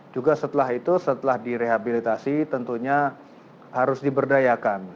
juga setelah itu setelah direhabilitasi tentunya harus diberdayakan